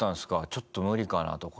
ちょっと無理かなとか。